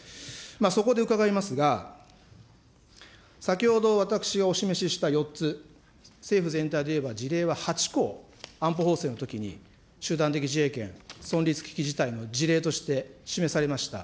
そこで伺いますが、先ほど、私がお示しした４つ、政府全体で言えば、事例は８個、安保法制のときに集団的自衛権、存立危機事態の事例として示されました。